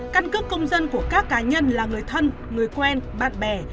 căn cước công dân của các cá nhân là người thân người quen bạn bè